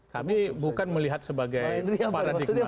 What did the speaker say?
kami bukan melihat sebagai paradigma